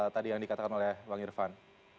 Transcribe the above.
tadi yang dikatakan oleh bang irfan